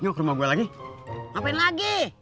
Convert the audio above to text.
ngok rumah gua lagi ngapain lagi